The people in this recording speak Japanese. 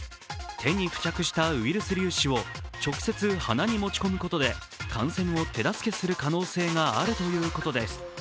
手に付着したウイルス粒子を直接、鼻に持ち込むことで感染を手助けする可能性があるということです。